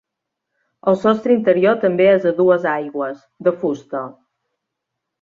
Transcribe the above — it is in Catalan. El sostre interior també és a dues aigües, de fusta.